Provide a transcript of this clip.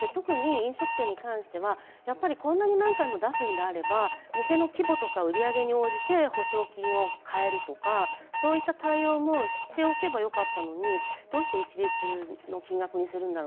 飲食店に関しては、こんなに何回も出すのであれば店の規模とか売り上げに応じて補償金を変えるとか、そういう対応もしておけばよかったのに、どうして一律の金額にするんだろ。